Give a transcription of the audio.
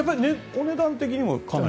お値段的にも。